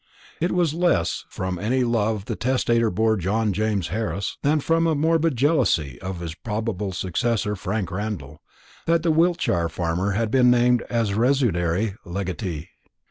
It was less from any love the testator bore John James Harris than from a morbid jealousy of his probable successor Frank Randall, that the Wiltshire farmer had been named as residuary legatee.